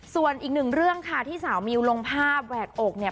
ส่วนอีกหนึ่งเรื่องค่ะที่สาวมิวลงภาพแหวกอกเนี่ย